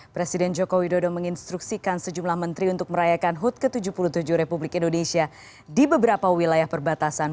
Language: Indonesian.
presiden joko widodo menginstruksikan sejumlah menteri untuk merayakan hud ke tujuh puluh tujuh republik indonesia di beberapa wilayah perbatasan